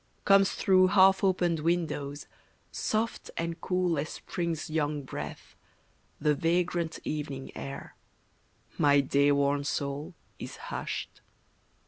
Comes through half opened windows, soft and cool As Spring's young breath, the vagrant evening air, My day worn soul is hushed.